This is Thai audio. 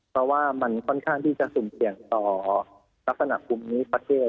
เพราะว่ามันค่อนข้างที่จะสุ่มเสี่ยงต่อลักษณะภูมิประเทศ